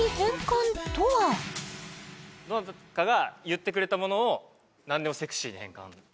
どなたかが言ってくれたものを何でもセクシーに変換それどういうこと？